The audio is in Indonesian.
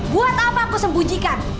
buat apa aku sembunyikan